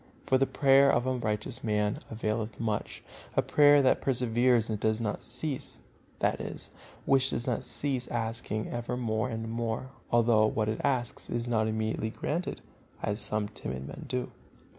For the prayer of a righteous man availeth much, a prayer that perseveres and does not cease" (that is, which does not cease asking ever more and more, although what it asks is not immediately granted, as some timid men do).